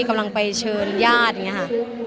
กำลังไปเชิญญาติอย่างนี้ค่ะ